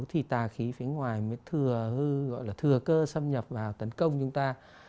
thì tà khí phía ngoài mới thừa hư gọi là thừa cơ xâm nhập vào tấn công chúng ta